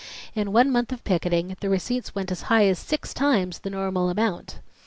In one month of picketing the receipts went as high as six times the normal amount.